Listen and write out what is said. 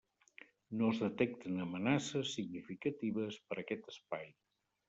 No es detecten amenaces significatives per a aquest espai.